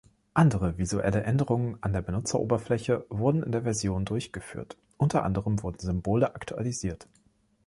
Andere visuelle Änderungen an der Benutzeroberfläche wurden in der Version durchgeführt, unter anderem wurden Symbole aktualisiert.